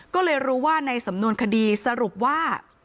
ก็เลยรู้ว่าในสำนวนคดีสรุปว่า